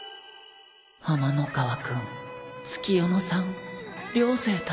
天ノ河君月夜野さん寮生たち